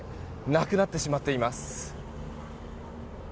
なくなってしまっています。